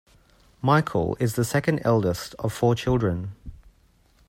Michael is the second eldest of four children.